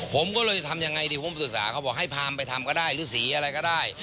ผมก็เลยจะทำยังไงดีผมศึกษาเขาบอกให้พามไปทำก็ได้หรือสีอะไรก็ได้